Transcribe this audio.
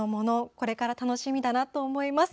これから楽しみだなと思います。